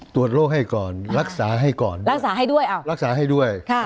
ตรวจโรคให้ก่อนรักษาให้ก่อนรักษาให้ด้วย